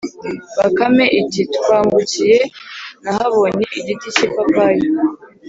bakame iti: “aho twambukiye, nahabonye igiti k’ipapayi